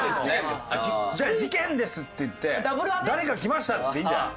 じゃあ「事件です！」って言って「誰か来ました」でいいんじゃない？